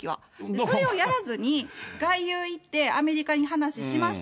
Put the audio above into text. それをやらずに、外遊行って、アメリカに話しました。